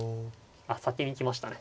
あっ先に行きましたね。